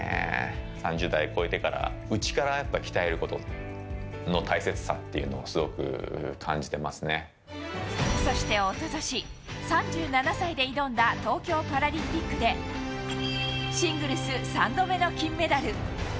３０代超えてから、内からやっぱ鍛えることの大切さっていうのを、そしておととし、３７歳で挑んだ東京パラリンピックで、シングルス３度目の金メダル。